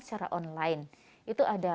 secara online itu ada